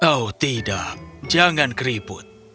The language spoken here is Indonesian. oh tidak jangan keriput